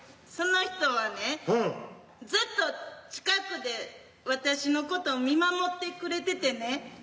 その人はねずっと近くで私のこと見守ってくれててね。